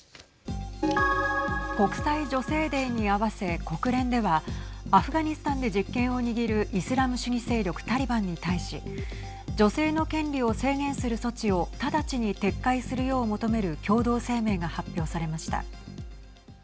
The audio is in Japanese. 国際女性デーに合わせ国連ではアフガニスタンで実権を握るイスラム主義勢力タリバンに対し女性の権利を制限する措置を直ちに撤回するよう求める共同声明が発表されました。